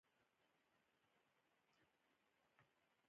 د ماښام دعاګانې د روح لپاره یو برکت دی.